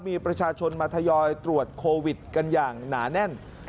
มีประชาชนมาทยอยตรวจโควิดกันอย่างหนาแน่น